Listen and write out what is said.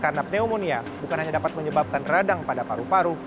karena pneumonia bukan hanya dapat menyebabkan radang pada paru paru